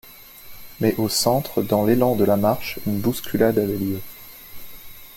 Mais, au centre, dans l’élan de la marche, une bousculade avait lieu.